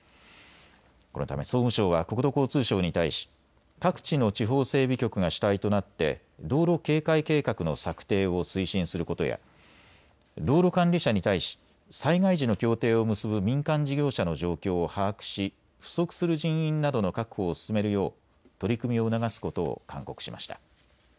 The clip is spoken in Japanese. このため総務省は国土交通省に対し各地の地方整備局が主体となって道路啓開計画の策定を推進することや道路管理者に対し災害時の協定を結ぶ民間事業者の状況を把握し不足する人員などの確保を進めるよう取り組みを促すことを勧告しました。